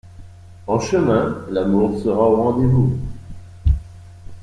En chemin l'amour sera au rendez-vous.